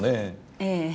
ええ。